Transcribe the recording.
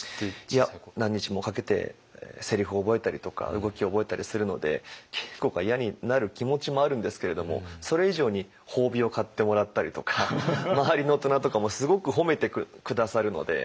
何日もかけてせりふを覚えたりとか動きを覚えたりするので稽古が嫌になる気持ちもあるんですけれどもそれ以上に褒美を買ってもらったりとか周りの大人とかもすごく褒めて下さるので。